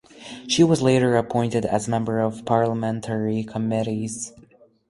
She was later appointed as member of parliamentary committees.